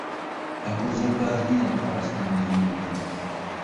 ئاکۆ زۆر باش نییە لە پاراستنی نهێنییەکان.